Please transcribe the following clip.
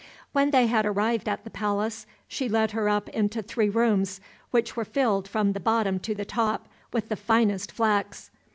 When they had arrived at the palace, she led her up into three rooms which were filled from the bottom to the top with the finest flax.